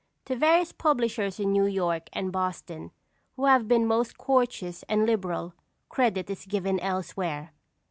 To various publishers in New York and Boston, who have been most courteous and liberal, credit is given elsewhere.